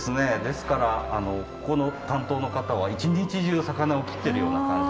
ですからここの担当の方は一日中魚を切ってるような感じになります。